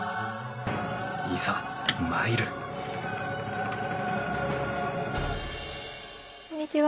いざ参るこんにちは。